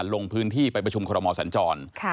ลงพื้นที่ไปประชุมคอรมอสัญจร